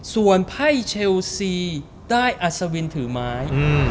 ส่วนไพ่เชลซีได้อัศวินถือไม้